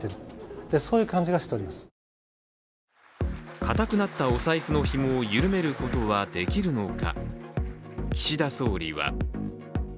かたくなったお財布のひもを緩めることはできるのか。